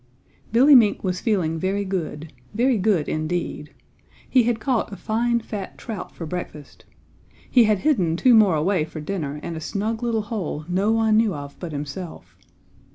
Billy Mink was feeling very good very good indeed. He had caught a fine fat trout for breakfast. He had hidden two more away for dinner in a snug little hole no one knew of but himself.